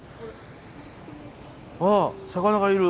あ魚がいる。